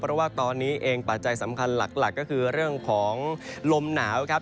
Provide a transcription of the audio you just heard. เพราะว่าตอนนี้เองปัจจัยสำคัญหลักก็คือเรื่องของลมหนาวครับ